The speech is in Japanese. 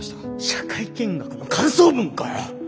社会見学の感想文かよ！